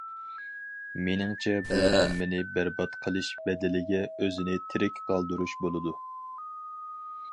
مېنىڭچە، بۇ ھەممىنى بەربات قىلىش بەدىلىگە ئۆزىنى تىرىك قالدۇرۇش بولىدۇ.